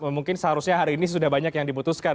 mungkin seharusnya hari ini sudah banyak yang diputuskan